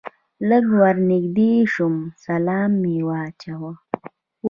لږ ور نږدې شوم سلام مې واچاوه.